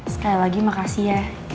sekali lagi makasih ya